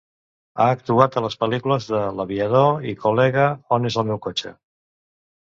Ha actuat a les pel·lícules de "L'aviador" i "Col·lega, on és el meu cotxe?".